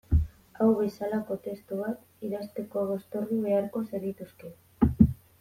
Hau bezalako testu bat idazteko bost ordu beharko zenituzke.